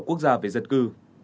quốc gia về dân cư